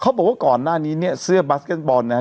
บอกว่าก่อนหน้านี้เนี่ยเสื้อบัสเก็ตบอลนะฮะ